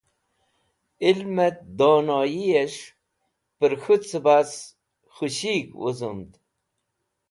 Ilmẽt donoyish pẽr k̃hũ cẽbas khushig̃h wũzũmd.